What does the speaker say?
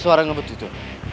tidak ada suara gebut itu